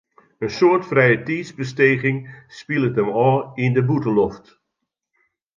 In soad frijetiidsbesteging spilet him ôf yn de bûtenloft.